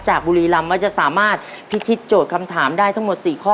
บุรีรำว่าจะสามารถพิธีโจทย์คำถามได้ทั้งหมด๔ข้อ